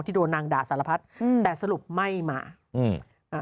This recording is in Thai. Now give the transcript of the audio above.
ที่โดนนางด่าสารพัดแต่สรุปไม่มา